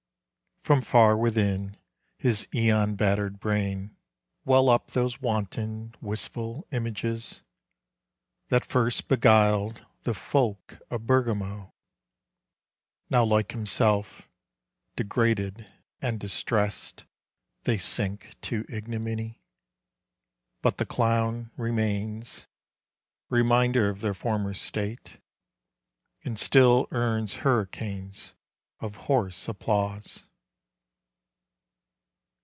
From far within his aeon baitered brain Well up those wanton wistful images 21 20th Century Harlequinade. That first beguil'd the folk of Bergamo. Now like himself degraded and distress'd sink to ignominy : but the clown Remains, reminder of their former And till earns hurricanes of I iplause.